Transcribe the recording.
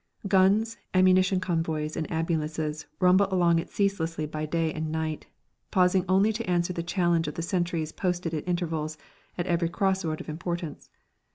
Guns, ammunition convoys and ambulances rumble along it ceaselessly by day and night, pausing only to answer the challenge of the sentries posted at intervals at every cross road of importance.